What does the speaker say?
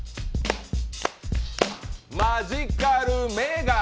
マジカル眼鏡。